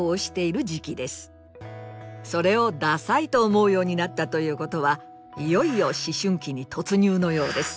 それを「ダサい」と思うようになったということはいよいよ思春期に突入のようです。